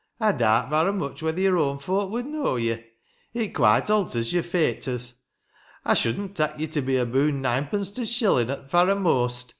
I daat varra mich whether your awn folk would knaw ye. It quite alters your fayturs. I should'nt tak ye to be aboon ninepence to t' shillin' at the varra most.